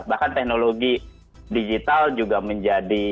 bahkan teknologi digital juga menjadi